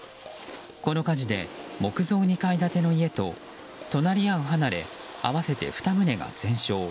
この火事で、木造２階建ての家と隣り合う離れ合わせて２棟が全焼。